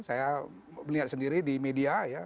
saya melihat sendiri di media ya